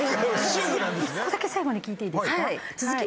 １個だけ最後に聞いていいですか？